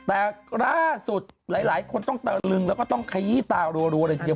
แต่ล่าสุดหลายคนต้องตะลึงแล้วก็ต้องขยี้ตารัวเลยทีเดียว